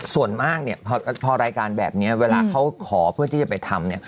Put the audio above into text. ส่วนมากพอรายการแบบนี้เวลาเขาขอเพื่อที่จะไปทำ